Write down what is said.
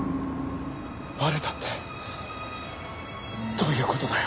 バレたってどういう事だよ？